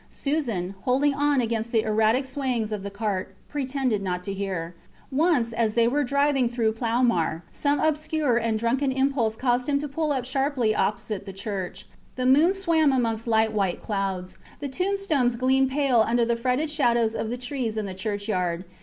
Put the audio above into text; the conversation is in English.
Susan, holding on against the erratic swayings of the cart, pretended not to hear. Once, as they were driving through Ploumar, some obscure and drunken impulse caused him to pull up sharply opposite the church. The moon swam amongst light white clouds. The tombstones gleamed pale under the fretted shadows of the trees in the churchyard.